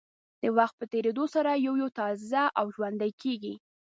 د وخت په تېرېدو سره یو یو تازه او ژوندۍ کېږي.